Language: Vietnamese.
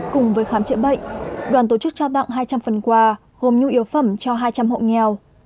cùng với khám chữa bệnh đoàn tổ chức trao tặng hai trăm linh phần quà gồm nhu yếu phẩm cho hai trăm linh hộ nghèo